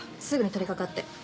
すぐに取りかかって。